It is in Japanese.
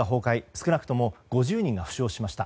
少なくとも５０人が負傷しました。